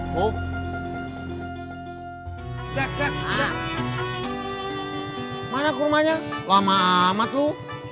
kenapa kita habis tahu